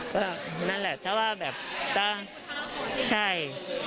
ก็นั่นแหละเพราะว่าแบบใช่